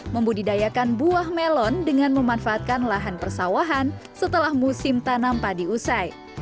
membudidayakan buah melon dengan memanfaatkan lahan persawahan setelah musim tanam padi usai